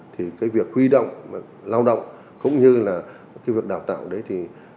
thì cái việc huy động lao động cũng như là cái việc đào tạo đấy thì